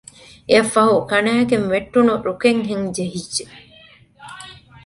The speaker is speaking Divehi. އެއަށްފަހު ކަނައިގެން ވެއްޓުނު ރުކެއްހެން ޖެހިއްޖެ